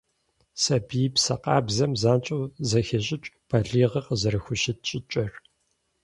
Сабиипсэ къабзэм занщӀэу зэхещӀыкӀ балигъыр къызэрыхущыт щӀыкӀэр.